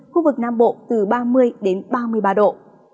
khu vực nam bộ từ ba mươi đến ba mươi ba độ